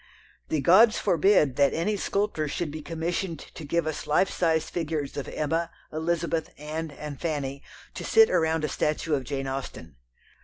The gods forbid that any sculptor should be commissioned to give us life size figures of Emma, Elizabeth, Anne, and Fanny to sit around a statue of Jane Austen.